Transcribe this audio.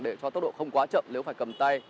để cho tốc độ không quá chậm nếu phải cầm tay